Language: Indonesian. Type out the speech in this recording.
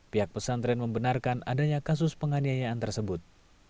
pihak pesantren membenarkan adanya kasus penganiayaan tersebut